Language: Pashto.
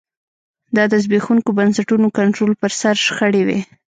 دا د زبېښونکو بنسټونو کنټرول پر سر شخړې وې